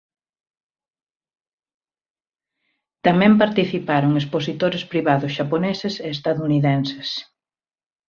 Tamén participaron expositores privados xaponeses e estadounidenses.